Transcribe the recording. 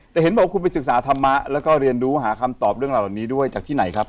แต่เห็นบอกว่าคุณไปศึกษาธรรมะแล้วก็เรียนรู้หาคำตอบเรื่องเหล่านี้ด้วยจากที่ไหนครับ